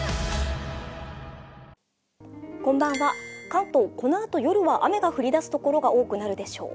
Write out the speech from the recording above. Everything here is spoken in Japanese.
関東、このあと夜は雨が所が多くなるでしょう。